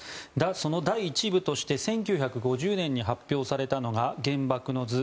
その第１部として１９５０年に発表されたのが「原爆の図」